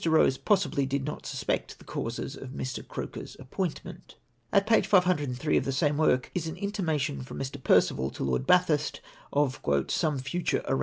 Rose possibly did not suspect the causes for Mr. Croker 's appointment. At page 503 of the same work, is an intimation from Mr. Perceval to Lord Bathurst of ^' some future arran.